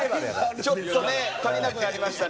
ちょっとね、足りなくなりましたね。